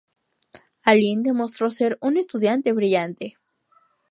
Aline demostró ser un estudiante brillante.